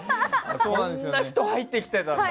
そんな人入ってきてたんだ。